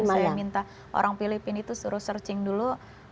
saya minta orang filipina itu suruh searching dulu